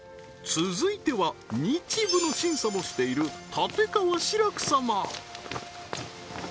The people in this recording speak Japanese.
続いては日舞の審査もしている立川志らく様